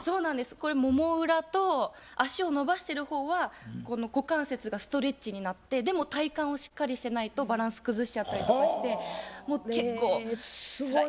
これもも裏と脚を伸ばしてる方はこの股関節がストレッチになってでも体幹をしっかりしてないとバランス崩しちゃったりとかしてもう結構つらい。